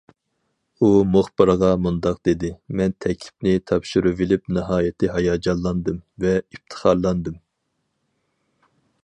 ئۇ مۇخبىرغا مۇنداق دېدى: مەن تەكلىپنى تاپشۇرۇۋېلىپ ناھايىتى ھاياجانلاندىم ۋە ئىپتىخارلاندىم.